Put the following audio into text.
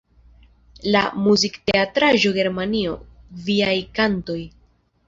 La muzikteatraĵo Germanio, viaj kantoj!